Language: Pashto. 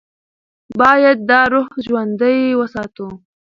باید دا روح ژوندۍ وساتو.